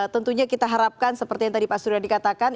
tentunya kita harapkan seperti yang tadi pak surya dikatakan